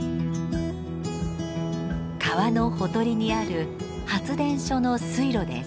川のほとりにある発電所の水路です。